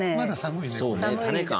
まだ寒いね。